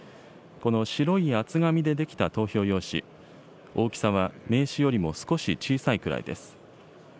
この白い厚紙で出来た投票用紙、大きさは名刺よりも少し小さいくらいです。